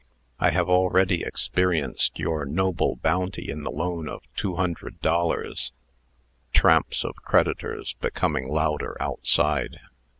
I have already experienced your noble bounty in a loan of two hundred dollars." (Tramps of creditors becoming louder outside.)